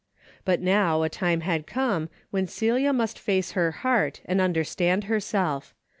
But now a time had come when Celia must face her heart ancf under stand herself.